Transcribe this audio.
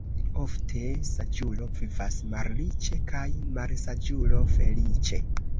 Ofte saĝulo vivas malriĉe kaj malsaĝulo feliĉe.